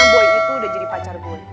karena boy itu udah jadi pacar gue